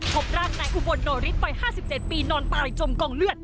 พบร่างในอุมบุญโนริสต์ไว้๕๗ปีนอนปลายจมกองเลือด